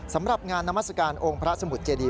สำหรับงานนามัศกาลองค์พระสมุทรเจดี